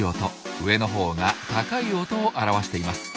上のほうが「高い音」を表しています。